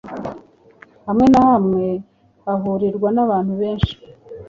hamwe na hamwe hahurirwa n'abantu benshi